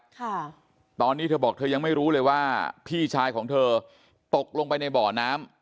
ค่ะตอนนี้เธอบอกเธอยังไม่รู้เลยว่าพี่ชายของเธอตกลงไปในบ่อน้ำ